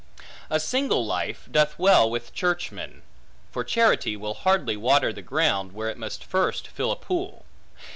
A single life doth well with churchmen; for charity will hardly water the ground, where it must first fill a pool.